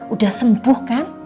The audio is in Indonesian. udah sembuh kan